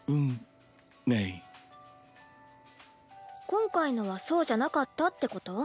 今回のはそうじゃなかったってこと？